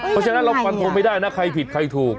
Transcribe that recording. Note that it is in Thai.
เพราะฉะนั้นเราฟันทงไม่ได้นะใครผิดใครถูก